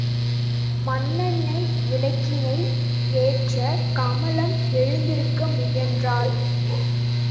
மண்ணெண்ணெய் விளக்கினை ஏற்ற கமலம் எழுந்திருக்க முயன்றாள்.